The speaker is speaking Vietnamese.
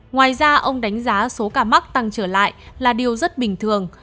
ngoài ra ông đánh giá số ca mắc tăng trở lại là điều rất bình thường